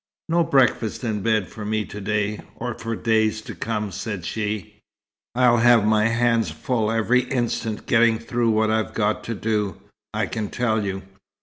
"No breakfast in bed for me to day, or for days to come," said she. "I'll have my hands full every instant getting through what I've got to do, I can tell you.